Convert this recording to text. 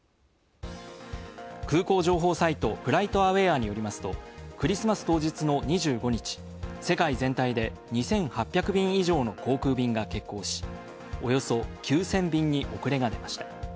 空港情報サイト「フライトアウェア」によりますとクリスマス当日の２５日、世界全体で２８００便以上の航空便が欠航し、およそ９０００便に遅れが出ました。